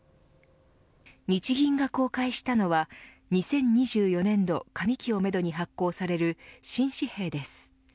日銀が公開したのは２０２４年度上期をめどに発行される新紙幣です。